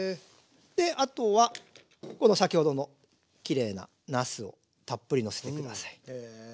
であとはこの先ほどのきれいななすをたっぷりのせて下さい。